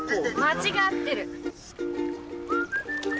間違ってる。